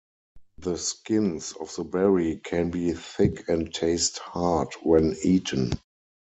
The skins of the berry can be thick and taste "hard" when eaten.